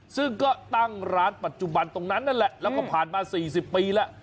ซึ่งก็ตั้งร้านปัจจุบันตรงนั้นนั่นแหละแล้วก็ผ่านมา๔๐ปีแล้ว